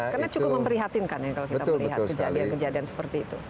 karena cukup memprihatinkan ya kalau kita melihat kejadian kejadian seperti itu